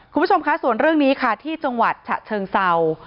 คุณผู้ชมคะส่วนเรื่องนี้ค่ะที่จังหวัดฉะเชิงเศร้า